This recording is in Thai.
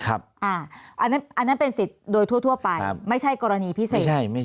อันนั้นเป็นสิทธิ์โดยทั่วไปไม่ใช่กรณีพิเศษ